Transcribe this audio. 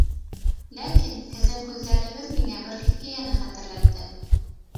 Ләкин һеҙҙең һүҙҙәрегеҙ миңә бер хикәйәне хәтерләтте